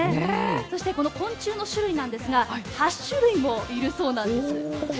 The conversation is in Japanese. そして昆虫の種類なんですが８種類もいるそうなんです。